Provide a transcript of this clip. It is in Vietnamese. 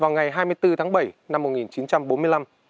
vào ngày hai mươi bốn tháng bảy năm một nghìn chín trăm bốn mươi năm